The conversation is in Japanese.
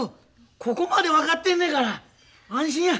ここまで分かってんねやから安心や。